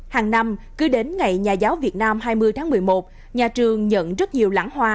hàng năm cứ đến ngày nhà giáo việt nam hai mươi tháng một mươi một nhà trường nhận rất nhiều lãng hoa